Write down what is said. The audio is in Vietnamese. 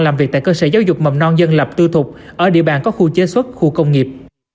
làm việc tại cơ sở giáo dục mầm non dân lập tư thục ở địa bàn có khu chế xuất khu công nghiệp